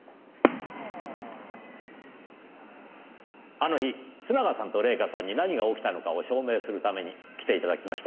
あの日須永さんと礼夏さんに何が起きたのかを証明するために来て頂きました。